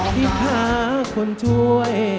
ที่หาคนช่วย